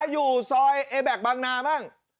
ถ้าอยู่ซอยแบกบางนาบ้าง